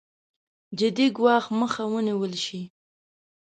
جدي ګواښ مخه ونېول شي.